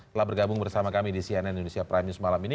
telah bergabung bersama kami di cnn indonesia prime news malam ini